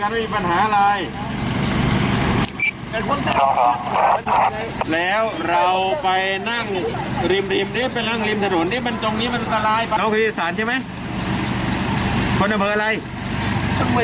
รีมรีมนี้แหละจะได้คุยกันว่ามีปัญหาอะไร